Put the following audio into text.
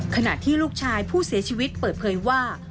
ขณะที่ลูกชายผู้เสียชีวิตเปิดเผยว่า